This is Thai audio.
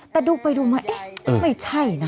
แต่ดูไปดูมาเอ๊ะไม่ใช่นะ